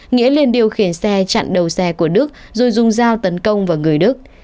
nghĩa lên điều khiển xe chặn đầu xe của đức rồi dùng dao tấn công vào người đức